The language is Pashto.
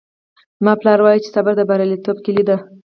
زما پلار وایي چې صبر د بریالیتوب کیلي ده